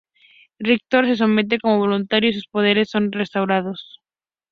Rictor se somete como voluntario y sus poderes son restaurados.